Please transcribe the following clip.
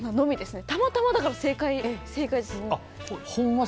だから、たまたま正解です。